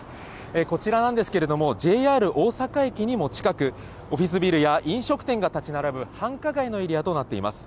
こちらなんですけれども、ＪＲ大阪駅にも近く、オフィスビルや飲食店が建ち並ぶ繁華街のエリアとなっています。